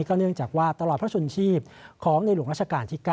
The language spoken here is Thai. เนื่องจากว่าตลอดพระชนชีพของในหลวงราชการที่๙